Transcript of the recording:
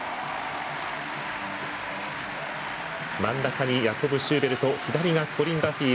真ん中にヤコブ・シューベルト左がコリン・ダフィー。